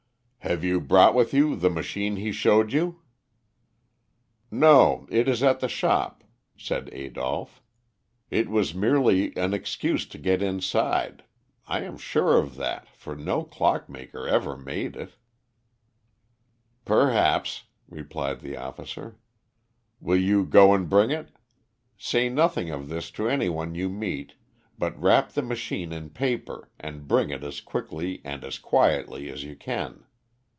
"Have you brought with you the machine he showed you?" "No. It is at the shop," said Adolph. "It was merely an excuse to get inside, I am sure of that, for no clockmaker ever made it." "Perhaps," replied the officer. "Will you go and bring it? Say nothing of this to any one you meet, but wrap the machine in paper and bring it as quickly and as quietly as you can.